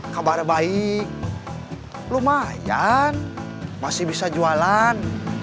kabar baik lumayan masih bisa jualan